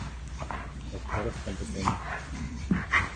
Los poros son pequeños.